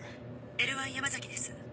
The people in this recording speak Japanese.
Ｌ１山崎です。